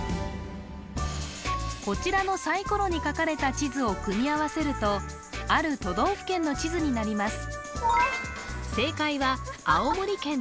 こちらのサイコロに描かれた地図を組み合わせるとある都道府県の地図になります